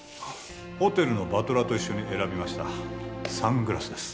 ホテルのバトラーと一緒に選びましたサングラスです